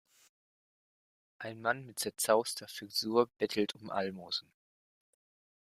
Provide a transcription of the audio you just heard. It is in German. Ein Mann mit zerzauster Frisur bettelt um Almosen.